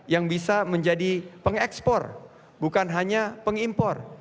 yang bisa menjadi pengekspor bukan hanya pengimpor